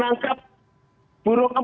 jangan sampai membuat mohon maaf